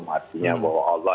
artinya bahwa allah